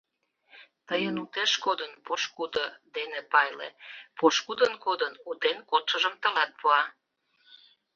Тыйын утеш кодын — пошкудо дене пайле, пошкудын кодын — утен кодшыжым тылат пуа.